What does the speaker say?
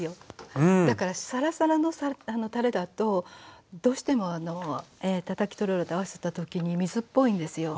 だからサラサラのたれだとどうしてもたたきとろろと合わせたときに水っぽいんですよ。